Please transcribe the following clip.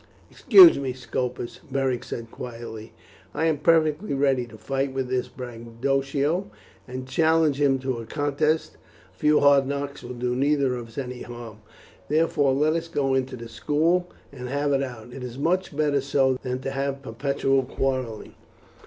"Excuse me, Scopus," Beric said quietly, "I am perfectly ready to fight with this braggadocio, and challenge him to a contest; a few hard knocks will do neither of us any harm, therefore let us go into the school and have it out. It is much better so than to have perpetual quarrelling."